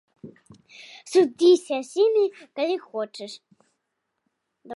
Судзіся з імі, калі хочаш!